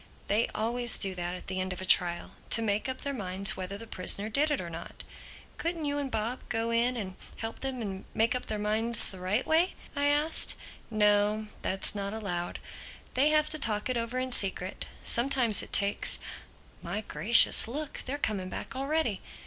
"They always do that at the end of a trial—to make up their minds whether the prisoner did it or not." "Couldn't you and Bob go in with them and help them make up their minds the right way?" I asked. "No, that's not allowed. They have to talk it over in secret. Sometimes it takes—My Gracious, look, they're coming back already!